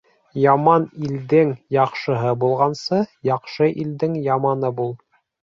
Яман илдең яҡшыһы булғансы, яҡшы илдең яманы бул.